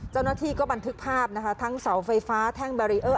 เจ้าหน้าที่ก็บันทึกภาพนะคะทั้งเสาไฟฟ้าแท่งแบรีเออร์